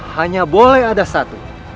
hanya boleh ada satu